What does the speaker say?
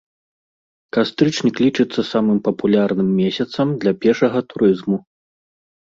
Кастрычнік лічыцца самым папулярным месяцам для пешага турызму.